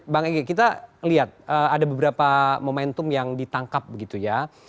bang egy kita lihat ada beberapa momentum yang ditangkap begitu ya